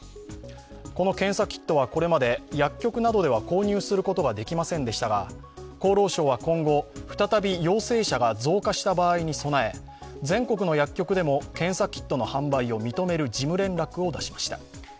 この検査キットは、これまで薬局などでは購入することができませんでしたが厚労省は今後、再び陽性者が増加した場合に備え全国の薬局でも検査キットの販売を認める事務連絡を出しました。